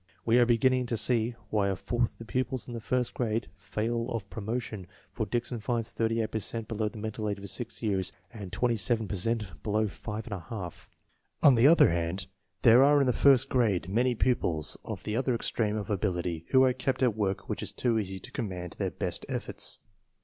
We are beginning to see why a fourth of the pupils in the first grade fail of promotion, for Dickson finds 38 per cent below the mental age of 6 years, and 7 per cent below 5 J. On the other hand, there are in the first grade many pupils of the other extreme of ability who are kept at work which is too easy to command their best efforts.